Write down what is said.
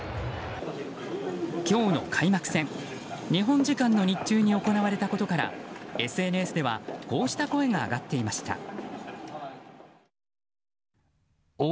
今日の開幕戦、日本時間の日中に行われたことからＳＮＳではこうした声が上がっていました。